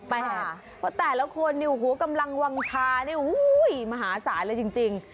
เพราะแต่ละคนเนี่ยหูกำลังวางชาเนี่ยโอ้โฮมหาศาลเลยจริง